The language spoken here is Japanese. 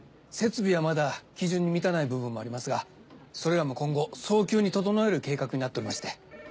設備はまだ基準に満たない部分もありますがそれらも今後早急に調える計画になっておりまして。